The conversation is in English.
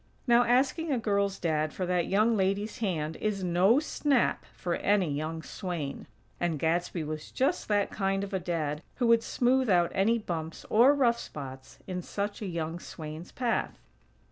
Now asking a girl's Dad for that young lady's hand is no snap for any young swain; and Gadsby was just that kind of a Dad who would smooth out any bumps or rough spots in such a young swain's path.